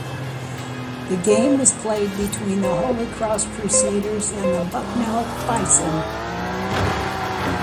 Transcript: The game was played between the Holy Cross Crusaders and the Bucknell Bison.